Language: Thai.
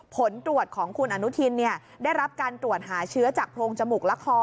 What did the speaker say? ผลตรวจของคุณอนุทินได้รับการตรวจหาเชื้อจากโพรงจมูกและคอ